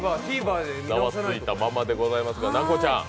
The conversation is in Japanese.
ザワついたままでございますが、奈子ちゃん